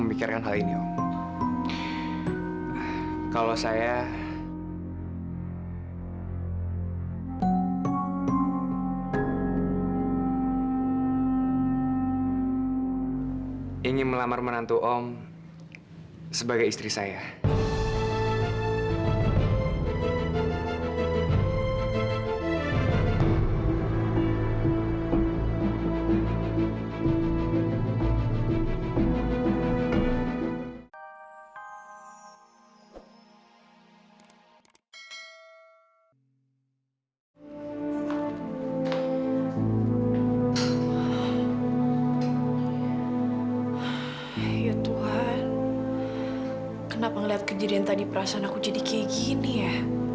bukan aku jadi kayak gini ya